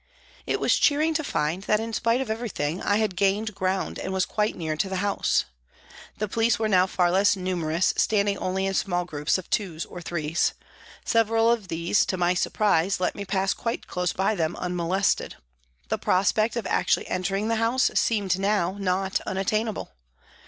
It was cheering to find that in spite of everything I had gained ground and was quite near to the House. The police were now far less numerous, standing only in small groups of twos and threes. Several of these to my surprise let me pass quite close by them unmolested. The prospect of actually entering the House seemed now not unattainable.